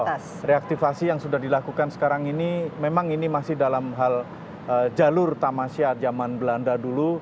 kalau reaktivasi yang sudah dilakukan sekarang ini memang ini masih dalam hal jalur tamasya zaman belanda dulu